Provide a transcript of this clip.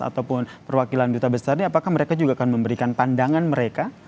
ataupun perwakilan duta besarnya apakah mereka juga akan memberikan pandangan mereka